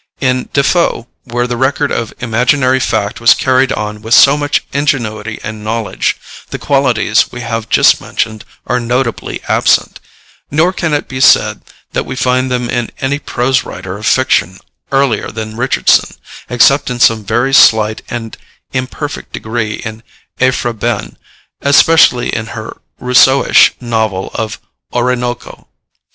In Defoe, where the record of imaginary fact was carried on with so much ingenuity and knowledge, the qualities we have just mentioned are notably absent; nor can it be said that we find them in any prose writer of fiction earlier than Richardson, except in some very slight and imperfect degree in Aphra Behn, especially in her Rousseauish novel of Oroonoko.